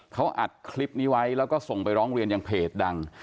เขาอัดคลิปนี้ไว้แล้วก็ส่งไปร้องเรียนยังเพจดัง